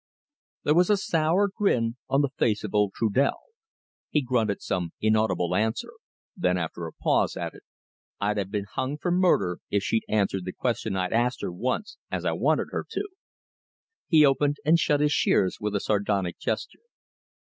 There was a sour grin on the face of old Trudel. He grunted some inaudible answer, then, after a pause, added: "I'd have been hung for murder, if she'd answered the question I asked her once as I wanted her to." He opened and shut his shears with a sardonic gesture.